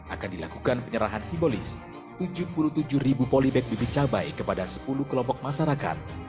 akan dilakukan penyerahan simbolis tujuh puluh tujuh ribu polibek bibit cabai kepada sepuluh kelompok masyarakat